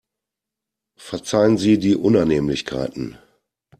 Verzeihen Sie die Unannehmlichkeiten.